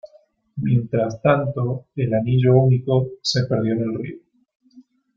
Mientras tanto el Anillo Único se perdió en el río.